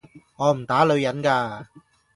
我唔打女人㗎